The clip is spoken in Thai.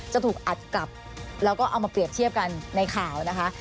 จะถูกอัดกลับแล้วก็เอามาเปรียบเทียบกันในข่าวนะคะ